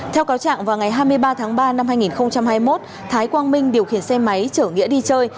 theo cáo trạng vào ngày hai mươi ba tháng ba năm hai nghìn hai mươi một thái quang minh điều khiển xe máy chở nghĩa đi chơi